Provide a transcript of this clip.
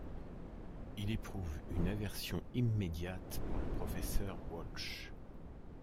Il éprouve une aversion immédiate pour le professeur Walsh.